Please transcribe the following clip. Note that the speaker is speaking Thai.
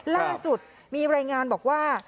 ล่าสุดมีรายงานบอกว่า